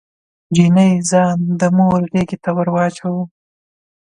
نجلۍ ځان د مور غيږې ته ور واچاوه.